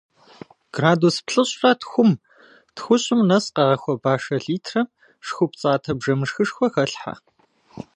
Градус плӏыщӏрэ тхум-тхущӏым нэс къэгъэхуэба шэ литрэм шху пцӏатэ бжэмышхышхуэ хэлъхьэ.